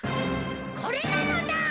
これなのだ！